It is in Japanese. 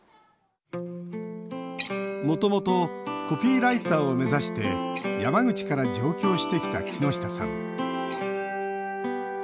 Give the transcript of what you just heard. もともとコピーライターを目指して山口から上京してきた木下さん。